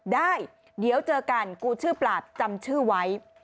ได้เดี๋ยวเจอกันกูชื่อปราบจำชื่อไว้